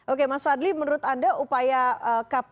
oke mas fadli menurut anda apa yang anda ingin beri kepada kita